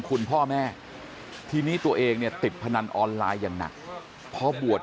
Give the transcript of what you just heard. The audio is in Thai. คุณพ่อแม่ทีนี้ตัวเองเนี่ยติดพนันออนไลน์อย่างหนักพอบวช